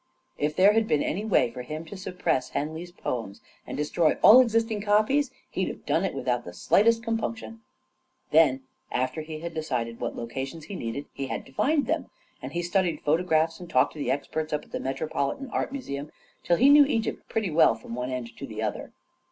If there had been any way for him to suppress Hen ley's poems and destroy all existing copies, he'd have done it without the slightest compunction I Then, after he had decided what locations he'd need, he had to find them; and he studied photo graphs and talked to the experts up at the Metro politan Art Museum till he knew Egypt pretty well from one end to the other.